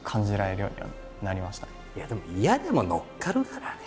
いやでも嫌でも乗っかるからね。